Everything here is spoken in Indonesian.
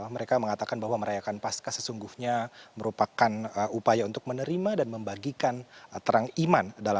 mereka mengatakan bahwa merayakan pasca sesungguhnya merupakan upaya untuk menerima dan membagikan terang iman